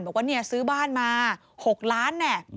บอกว่าเนี่ยซื้อบ้านมา๖ล้านแน่